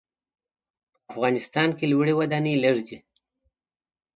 په افغانستان کې لوړې ودانۍ لږ دي.